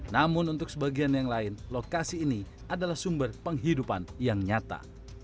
namun untuk sebagian yang lain lokasi ini adalah sumber penghidupan yang nyata